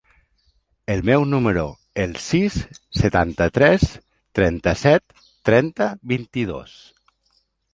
El meu número es el sis, setanta-tres, trenta-set, trenta, vint-i-dos.